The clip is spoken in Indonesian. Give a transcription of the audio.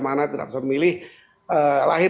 mana tidak bisa memilih lahir